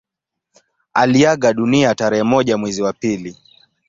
Aliaga dunia tarehe moja mwezi wa pili